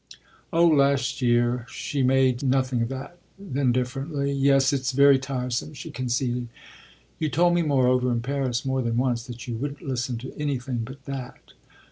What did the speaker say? "Oh last year!" she made nothing of that. Then differently, "Yes, it's very tiresome!" she conceded. "You told me, moreover, in Paris more than once that you wouldn't listen to anything but that."